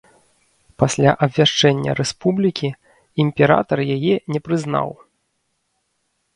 Пасля абвяшчэння рэспублікі імператар яе не прызнаў.